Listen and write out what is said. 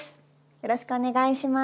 よろしくお願いします。